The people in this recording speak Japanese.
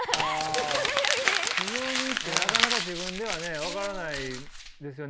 強みってなかなか自分ではね分からないですよね。